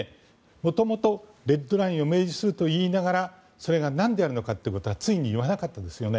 元々、レッドラインを明示するといいながらそれがなんであるのかということはついに言わなかったですよね。